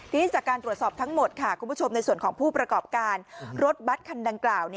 ทีนี้จากการตรวจสอบทั้งหมดค่ะคุณผู้ชมในส่วนของผู้ประกอบการรถบัตรคันดังกล่าว